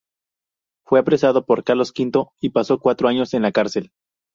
Fue apresado por Carlos V y pasó cuatro años en la cárcel.